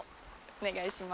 お願いします。